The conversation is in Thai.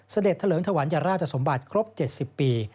เสด็จเถลิงถวัญญาราชสมบัติครบ๗๐ปี